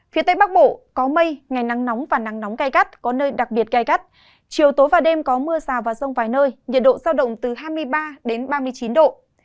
phía tây bắc bộ có mây ngày nắng nóng và nắng nóng gai gắt có nơi đặc biệt gai gắt chiều tối và đêm có mưa rào và rông vài nơi nhiệt độ giao động từ hai mươi ba đến ba mươi chín độ